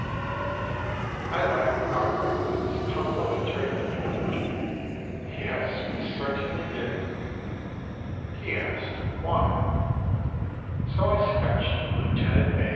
I laughed outright at this complimentary nomenclature. "Yes, we certainly did." He asked: "Why?"—so I sketched "Lieutenant" A.